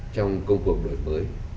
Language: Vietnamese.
trong công cuộc đổi mới